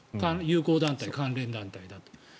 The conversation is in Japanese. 友好団体、関連団体だと。